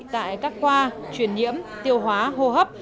tại các khoa truyền nhiễm tiêu hóa hô hấp